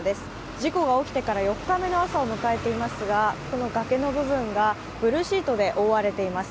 事故が起きてから４日目の朝を迎えていますがこの崖の部分がブルーシートで覆われています。